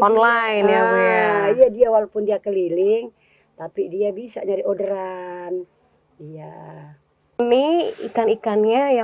online ya dia walaupun dia keliling tapi dia bisa dari orderan iya mie ikan ikannya yang